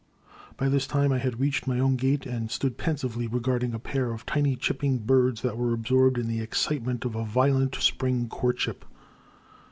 *' By this time I had reached my own gate, and stood pensively regarding a pair of tiny chipping birds that were absorbed in the excitement of a violent Spring courtship.